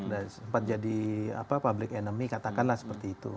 dan sempat jadi public enemy katakanlah seperti itu